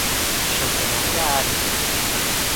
Xosé María Arias.